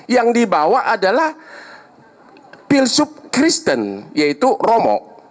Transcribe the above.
yang dibawa adalah pilsub kristen yaitu romo